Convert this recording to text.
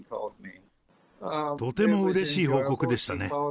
とてもうれしい報告でしたね。